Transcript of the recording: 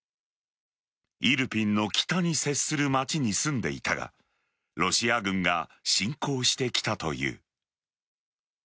イルピンの北に接する街に住んでいたがロシア軍が侵攻してきたという。